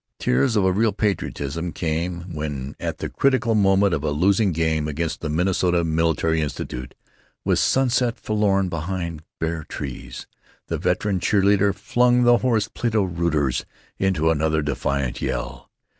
Tears of a real patriotism came when, at the critical moment of a losing game against the Minnesota Military Institute, with sunset forlorn behind bare trees, the veteran cheer leader flung the hoarse Plato rooters into another defiant yell.